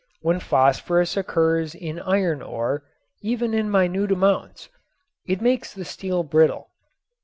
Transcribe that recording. When phosphorus occurs in iron ore, even in minute amounts, it makes the steel brittle.